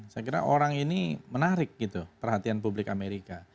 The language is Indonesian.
saya kira orang ini menarik gitu perhatian publik amerika